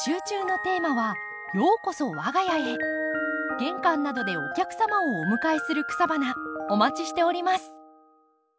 玄関などでお客様をお迎えする草花お待ちしております。